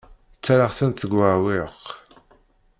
Ttarraɣ-tent deg uɛewwiq.